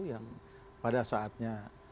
yang pada saatnya